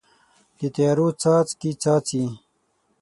د تیارو څاڅکي، څاڅي